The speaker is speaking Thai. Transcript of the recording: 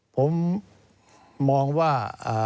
ผมมองว่า